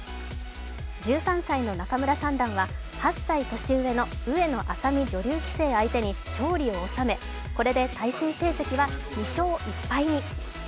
１３歳の仲邑三段は８歳年上の、上野愛咲美女流棋聖相手に勝利を収め、これで対戦成績は２勝１敗に。